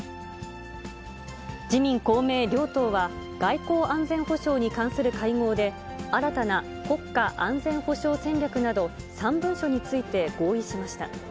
自民、公明両党は外交安全保障に関する会合で、新たな国家安全保障戦略など３文書について合意しました。